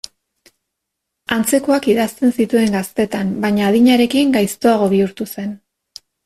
Antzekoak idazten zituen gaztetan baina adinarekin gaiztoago bihurtu zen.